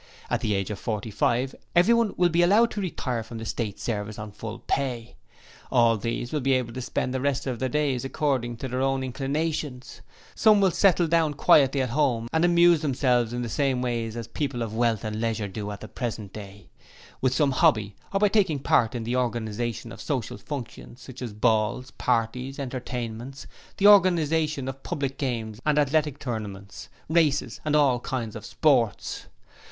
At the age of forty five, everyone will be allowed to retire from the State service on full pay... All these will be able to spend the rest of their days according to their own inclinations; some will settle down quietly at home, and amuse themselves in the same ways as people of wealth and leisure do at the present day with some hobby, or by taking part in the organization of social functions, such as balls, parties, entertainments, the organization of Public Games and Athletic Tournaments, Races and all kinds of sports.